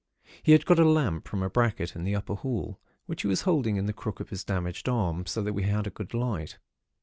He had got a lamp from a bracket in the upper hall, which he was holding in the crook of his damaged arm, so that we had a good light.